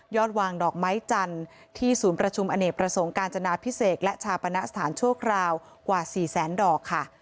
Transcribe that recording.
วางดอกไม้จันทร์ที่ศูนย์ประชุมอเนกประสงค์การจนาพิเศษและชาปณะสถานชั่วคราวกว่า๔แสนดอกค่ะ